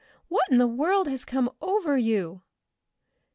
What in the world has come over you?"